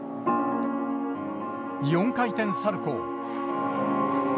４回転サルコー。